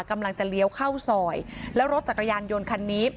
กำลังจะเลี้ยวเข้าซอยแล้วรถจักรยานยนต์คันนี้